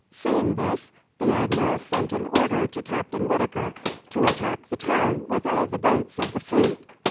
Seeing this, the admiral sent an order to Captain Whitaker to attack the town with all the boats of the fleet.